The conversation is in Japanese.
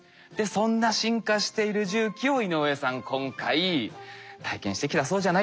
そんな進化している重機を井上さん今回体験してきたそうじゃないですか。